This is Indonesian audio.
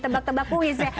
tebak tebak kuis ya